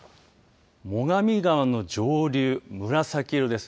最上川の上流紫色です。